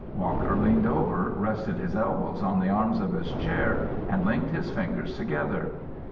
'" Walker leaned over, rested his elbows on the arms of his chair, and linked his fingers together.